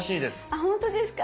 あほんとですか？